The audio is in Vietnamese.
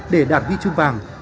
để đạt huy chương vàng